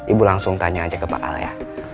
ibu langsung tanya aja ke pak al ya